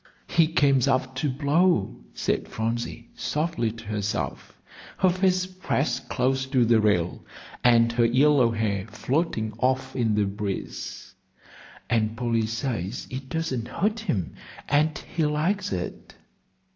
"He comes up to blow," said Phronsie, softly to herself, her face pressed close to the rail, and her yellow hair floating off in the breeze; "and Polly says it doesn't hurt him, and he likes it."